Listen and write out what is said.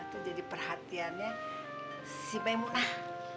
itu jadi perhatiannya si bma